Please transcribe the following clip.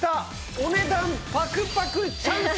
お値段パクパクチャンス！